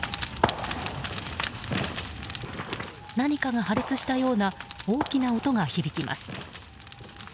何かが破裂したような大きな音が響きます。